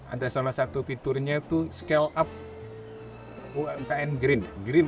ada salah satu fiturnya itu scale up umkm green